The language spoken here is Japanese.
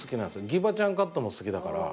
ギバちゃんカットも好きだから。